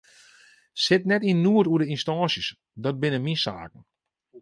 Sit net yn noed oer de ynstânsjes, dat binne myn saken.